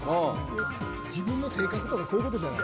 自分の性格とかそういうことじゃない？